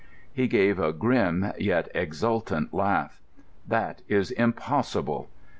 He gave a grim yet exultant laugh. "That is impossible.